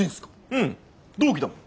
うん同期だもん。